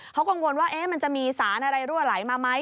เขากังวลว่ามันจะมีสารอะไรรั่วไหลมาไหม